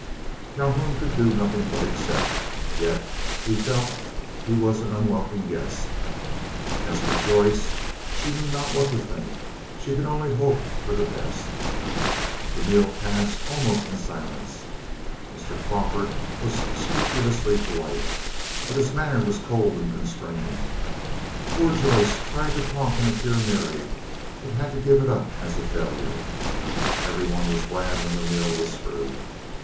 Calhoun could do nothing but accept, yet he felt he was an unwelcome guest. As for Joyce, she knew not what to think; she could only hope for the best. The meal passed almost in silence. Mr. Crawford was scrupulously polite, but his manner was cold and constrained. Poor Joyce tried to talk and appear merry, but had to give it up as a failure. Every one was glad when the meal was through.